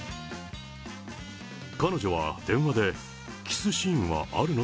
彼女は電話で、キスシーンはあるの？